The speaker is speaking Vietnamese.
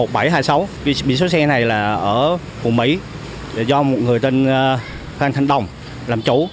một nghìn bảy trăm hai mươi sáu biển số xe này là ở phùng mỹ do một người tên phan thanh đồng làm chú